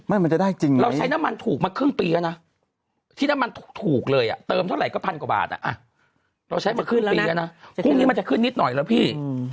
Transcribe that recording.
มันจะได้จริงไหมที่น้ำมันถูกเลยอะเติมเท่าไหร่ก็พันกว่าบาทอะเราใช้มาขึ้นปีอะนะพรุ่งนี้มันจะขึ้นนิดหน่อยแล้วพี่